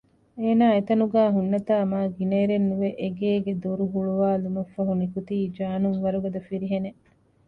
އޭނާ އެތަނުގައި ހުންނަތާ މާ ގިނައިރެއްނުވެ އެގޭގެ ދޮރު ހުޅުވާލުމަށްފަހު ނިކުތީ ޖާނުން ވަރުގަދަ ފިރިހެނެއް